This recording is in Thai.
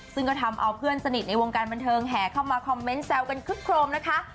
ซึ่งก็ทำเอาเพื่อนสนิทในวงการบันเทิงแห่เข้ามาคอมเมนต์แซวกันคึกโครมนะคะ